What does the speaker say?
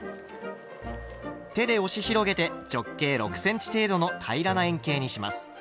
手で押し広げて直径６ｃｍ程度の平らな円形にします。